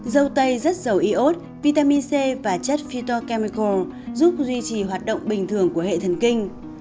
dâu tây rất giàu iốt vitamin c và chất phytochemical giúp duy trì hoạt động bình thường của hệ thần kinh